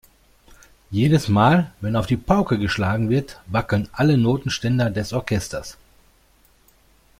Jedes Mal, wenn auf die Pauke geschlagen wird, wackeln alle Notenständer des Orchesters.